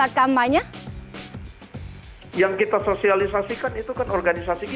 perhatian masyarakat juga akan jadi setting karena disini bukan ditinjukan charger n predator